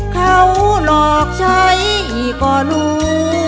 เขาหลอกใช้ก็รู้